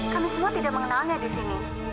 kami semua tidak mengenalnya di sini